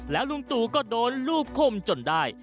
แล้วลุงตู่ก็โดนลูกคมจนได้